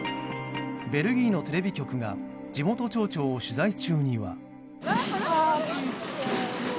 ベルギーのテレビ局が地元町長を取材中には。